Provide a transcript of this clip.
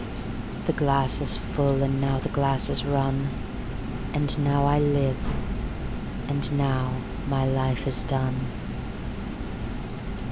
17The glass is full, and now the glass is run,18And now I live, and now my life is done.